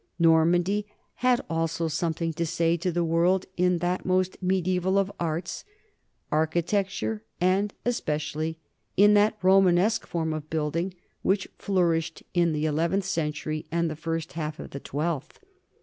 Normandy had also something to say to the world in that most mediaeval of arts, architecture, and especially in that Romanesque form of building which flourished in the eleventh century and the first half of the twelfth.